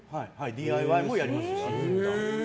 ＤＩＹもやりますし。